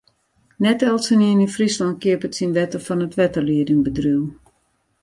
Net eltsenien yn Fryslân keapet syn wetter fan it wetterliedingbedriuw.